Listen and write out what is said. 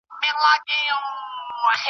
چي پخپله یې پر کور د مرګ ناره سي .